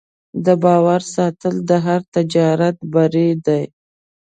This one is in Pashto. د باور ساتل د هر تجارت بری دی.